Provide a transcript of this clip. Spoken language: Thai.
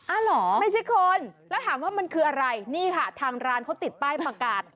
เหรอไม่ใช่คนแล้วถามว่ามันคืออะไรนี่ค่ะทางร้านเขาติดป้ายประกาศ